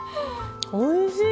おいしい。